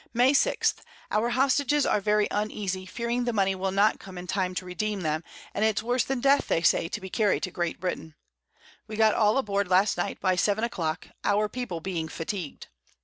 May 6. Our Hostages are very uneasy, fearing the Mony will not come in Time to redeem them, and it's worse than Death, they say, to be carried to Great Britain. We got all aboard last Night, by 7 a Clock, our People being fatigued.